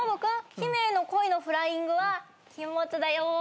ヒメへの恋のフライングは禁物だよ。